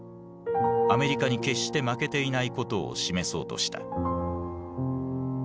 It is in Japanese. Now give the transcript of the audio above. アメリカに決して負けていないことを示そうとした。